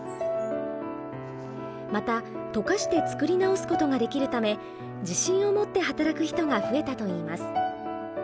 また溶かして作り直すことができるため自信を持って働く人が増えたといいます。